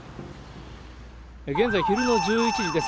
現在、昼の１１時です。